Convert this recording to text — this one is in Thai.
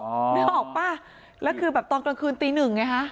นึกออกป่ะแล้วคือแบบตอนกลางคืนตีหนึ่งไงฮะ